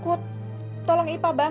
mereka itu sujarah dengan kebenaran